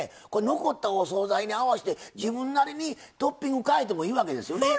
残ったお総菜に合わせて自分なりにトッピング変えてもいいわけですよね？